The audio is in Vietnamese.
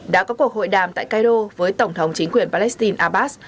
đã có cuộc hội đàm tại cairo với tổng thống chính quyền palestine abbas